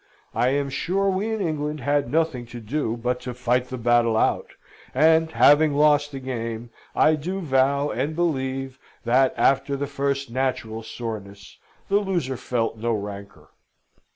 I am sure we in England had nothing to do but to fight the battle out; and, having lost the game, I do vow and believe that, after the first natural soreness, the loser felt no rancour.